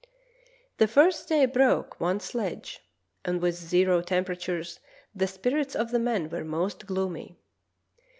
The first day broke one sledge, and with zero temperatures the spirits of the men were most gloomy.